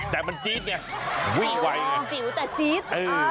แต่มันจี๊ดเนี่ยวี่ไวจิ๋วแต่จี๊ด